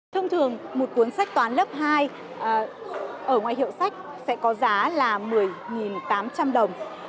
thông thường một cuốn sách toán lớp hai ở ngoài hiệu sách sẽ có giá là một mươi tám trăm linh đồng